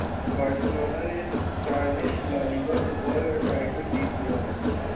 Barcelona نے Spanish La Liga football کا title جیت لیا